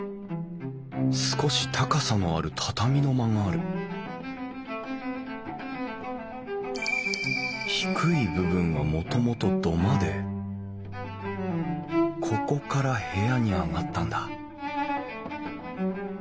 少し高さのある畳の間がある低い部分はもともと土間でここから部屋に上がったんだ